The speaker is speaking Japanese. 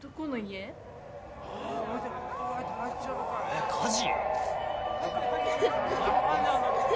えっ火事？